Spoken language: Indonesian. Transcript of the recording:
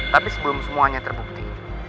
tapi sebelum semuanya terbukti